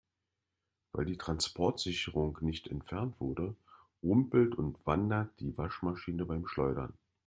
Weil die Transportsicherung nicht entfernt wurde, rumpelt und wandert die Waschmaschine beim Schleudern.